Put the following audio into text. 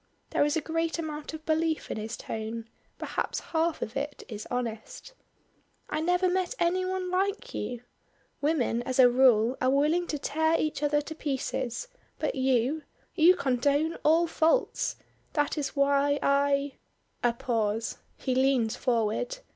There is a great amount of belief in his tone, perhaps half of it is honest. "I never met any one like you. Women as a rule are willing to tear each other to pieces but you you condone all faults; that is why I " A pause. He leans forward.